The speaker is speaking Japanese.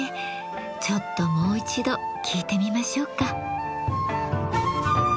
ちょっともう一度聴いてみましょうか。